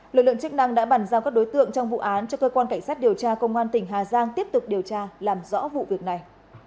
lực lượng chức năng đã bàn giao các đối tượng trong vụ án cho cơ quan cảnh sát điều tra công an tỉnh hà giang tiếp tục điều tra làm rõ vụ việc này